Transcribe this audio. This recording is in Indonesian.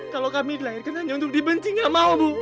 kalo kami dilahirkan hanya untuk dibenci gak mau bu